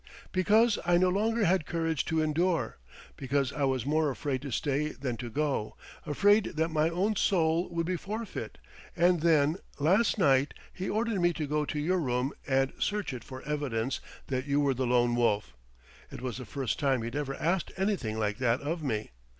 "Because I no longer had courage to endure; because I was more afraid to stay than to go afraid that my own soul would be forfeit. And then, last night, he ordered me to go to your room and search it for evidence that you were the Lone Wolf. It was the first time he'd ever asked anything like that of me.